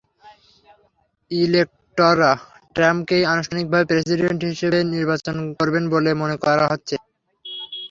ইলেকটররা ট্রাম্পকেই আনুষ্ঠানিকভাবে প্রেসিডেন্ট হিসেবে নির্বাচন করবেন বলে মনে করা হচ্ছে।